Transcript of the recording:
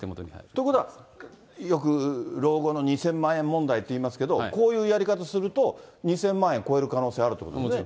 ということは、よく老後の２０００万円問題っていいますけれども、こういうやり方すると、２０００万円超える可能性あるということですね。